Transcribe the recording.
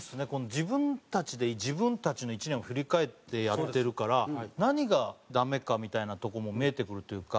自分たちで自分たちの１年を振り返ってやってるから何がダメかみたいなとこも見えてくるというか。